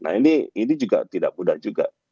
nah ini juga tidak mudah juga